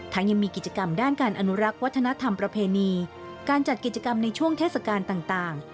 ยังมีกิจกรรมด้านการอนุรักษ์วัฒนธรรมประเพณีการจัดกิจกรรมในช่วงเทศกาลต่าง